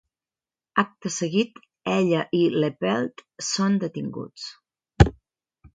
Acte seguit, ella i LePelt són detinguts.